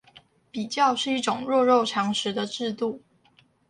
比較是一種弱肉強食的制度